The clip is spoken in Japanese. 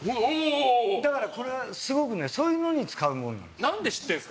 だから、これはすごくそういうのに使うもの。